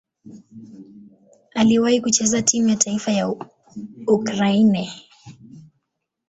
Aliwahi kucheza timu ya taifa ya Ukraine.